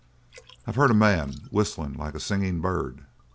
I've heard a man whistle like a singing bird.